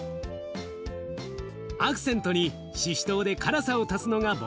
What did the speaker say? アクセントにししとうで辛さを足すのが僕好み。